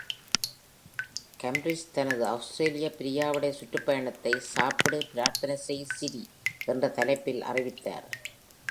Humphreys தனது ஆஸ்திரேலிய "பிரியாவிடை சுற்றுப்பயணத்தை" , "சாப்பிடு, பிரார்த்தனை செய், சிரி! என்ற தலைப்பில் அறிவித்தார்